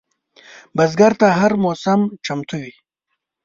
بزګر ته هره موسم چمتو وي